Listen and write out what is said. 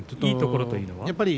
いいところというのは？